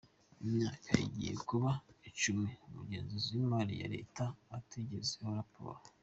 Imyaka igiye kuba icumi Umugenzuzi w’Imari ya Leta atugezaho raporo.